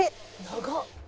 「長っ！」